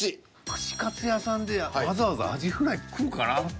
串カツ屋さんでわざわざアジフライ食うかなって。